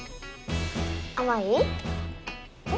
あまい？え？